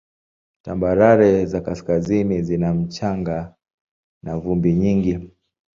Tambarare za kaskazini zina mchanga na vumbi nyingi.